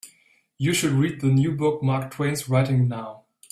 You should read the new book Mark Twain's writing now.